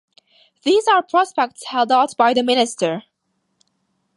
These are prospects held out by the Minister.